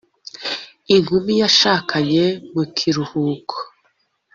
inkumi yashakanye mu kiruhuko.